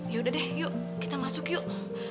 yaudah deh yuk kita masuk yuk